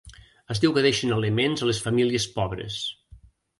Es diu que deixen aliments a les famílies pobres.